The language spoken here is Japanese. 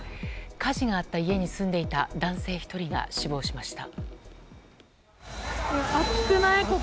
火事があった家に住んでいた男性１人が死亡しました。